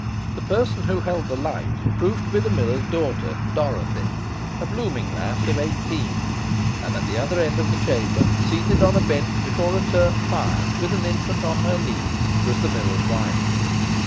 The person who held the light proved to be the miller's daughter, Dorothy, a blooming lass of eighteen, and at the other end of the chamber, seated on a bench before a turf fire, with an infant on her knees, was the miller's wife.